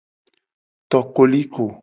To koliko.